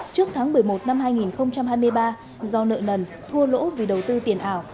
trước tháng một mươi một năm hai nghìn hai mươi ba do nợ nần thua lỗ vì đầu tư tiền ảo